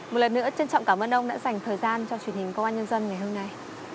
một lần nữa trân trọng cảm ơn ông đã dành thời gian cho truyền hình công an nhân dân ngày hôm nay